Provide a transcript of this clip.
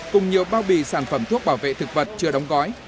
cùng nhiều bao bì sản phẩm thuốc bảo vệ thực vật chưa đóng gói